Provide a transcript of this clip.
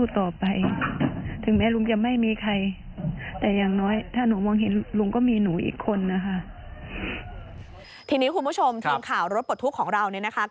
ทีนี้คุณผู้ชมทีมข่าวรถปลดทุกข์ของเราเนี่ยนะคะ